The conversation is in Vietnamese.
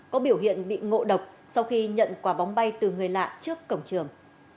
có biểu hiện bị ngộ độc sau khi nhận quà bóng bay từ người lạ trước cổng trường